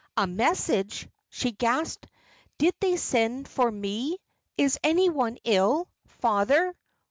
"A message!" she gasped. "Did they send for me? Is any one ill father?